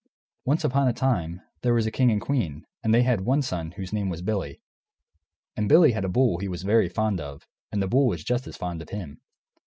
] Once upon a time, there was a king and a queen, and they had one son, whose name was Billy. And Billy had a bull he was very fond of, and the bull was just as fond of him.